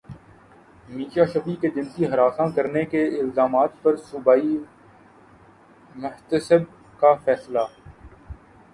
میشا شفیع کے جنسی ہراساں کرنے کے الزامات پر صوبائی محتسب کا فیصلہ